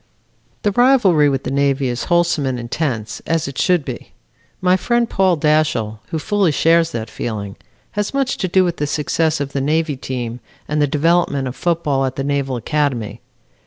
"The rivalry with the Navy is wholesome and intense, as it should be. My friend, Paul Dashiell, who fully shares that feeling, has much to do with the success of the Navy team, and the development of football at the Naval Academy.